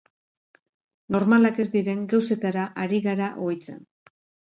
Normalak ez diren gauzetara ari gara ohitzen.